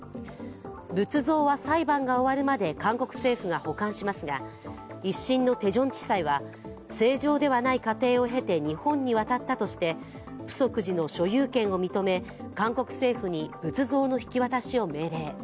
仏像は裁判が終わるまで韓国政府が保管しますが１審のテジョン地裁は、正常ではない過程を経て日本に渡ったとしてプソク寺の所有権を認め韓国政府に仏像の引き渡しを命令。